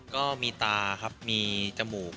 ก็มีตาครับมีจมูก